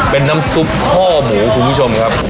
เป็นน้ำซุปข้อหมูคุณผู้ชมครับ